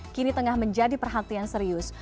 kini tengah menjadi perhatian serius